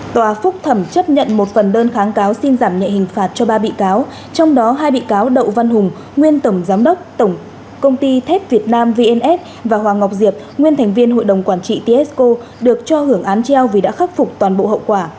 tòa phúc thẩm chấp nhận một phần đơn kháng cáo xin giảm nhẹ hình phạt cho ba bị cáo trong đó hai bị cáo đậu văn hùng nguyên tổng giám đốc tổng công ty thép việt nam vns và hoàng ngọc diệp nguyên thành viên hội đồng quản trị tisco được cho hưởng án treo vì đã khắc phục toàn bộ hậu quả